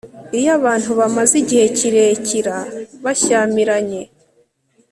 iyo abantu bamaze igihe kirekira bashyamiranye